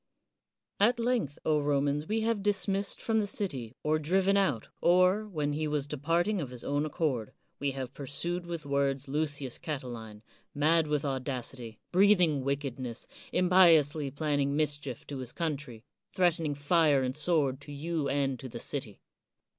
At length, Romans, we have dismissed from the city or driven out or, when he was departing of his own accord, we have pursued with words Lucius Catiline, mad with audacity, breathing wickedness, impiously planning mischief to his country, threatening fire and sword to you and to the city.